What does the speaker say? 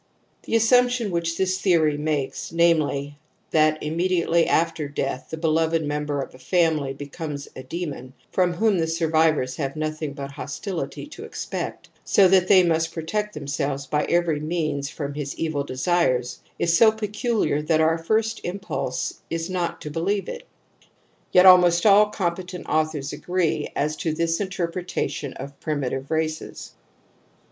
/ The assumption which this theory makes, namely, that immediately after death the be loved member of a family becomes a demon, from whom the survivors have nothing but hos tility to expect, so that they must protect them selves by every means from his evil desires, is so peculiar that our first impulse is not to believe it. Yet almost all competent authors agree as to this interpretation of primitive races.